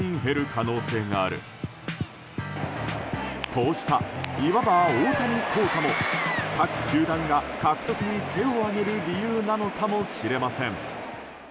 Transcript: こうした、いわば大谷効果も各球団が獲得に手を挙げる理由なのかもしれません。